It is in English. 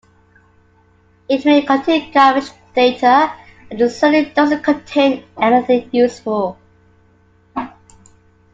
It may contain garbage data, and it certainly doesn't contain anything useful.